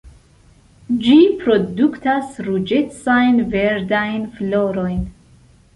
Ĝi produktas ruĝecajn verdajn florojn.